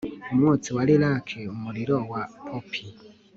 umwotsi wa lilac umuriro wa poppy